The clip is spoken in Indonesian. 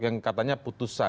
yang katanya putusan